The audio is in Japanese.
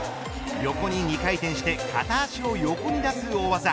横に２回転して片足を横に出す大技。